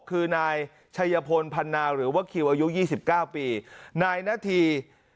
คือนายชัยพลพันนาหรือว่าคิวอายุ๒๙ปีนายนาธี